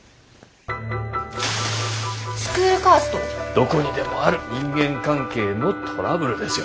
どこにでもある人間関係のトラブルですよ。